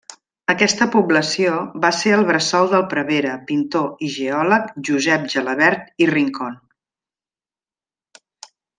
Aquesta població va ser el bressol del prevere, pintor i geòleg Josep Gelabert i Rincón.